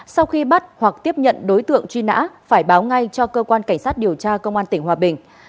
sau khi bắt hoặc tiếp nhận đối tượng truy nã phải báo ngay cho cơ quan cảnh sát điều tra công an tỉnh hòa bình